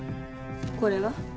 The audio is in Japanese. これは？